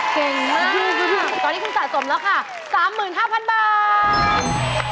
เก่งมากตอนนี้คุณสะสมแล้วค่ะ๓๕๐๐๐บาท